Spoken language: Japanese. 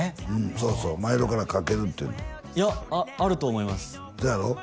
そうそう真宙からかけるっていうのはいやあると思いますそうやろ？